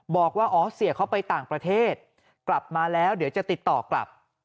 บอกว่าออสเซียเขาไปต่างประเทศกลับมาแล้วเดี๋ยวจะติดต่อกลับ